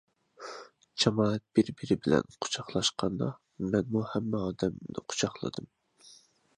جامائەت بىر-بىرى بىلەن قۇچاقلاشقاندا، مەنمۇ ھەممە ئادەمنى قۇچاقلىدىم !